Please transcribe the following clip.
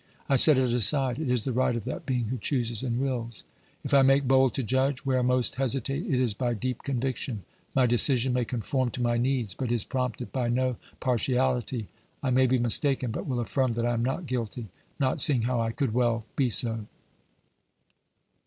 I set it aside ; it is the right of that being who chooses and wills. If I make bold to judge where most hesitate, it is by deep conviction ; my decision may conform to my needs, but is prompted by no partiality ; I may be mistaken, but will affirm that I am not guilty, not seeing how I could well be so.